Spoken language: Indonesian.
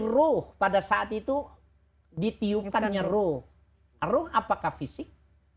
ruh pada saat itu ditiupkan nyeruh ruh apakah fisik